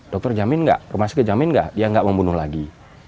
dokter jamin nggak rumah sakit jamin nggak dia nggak membunuh lagi